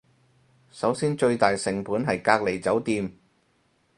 首先最大成本係隔離酒店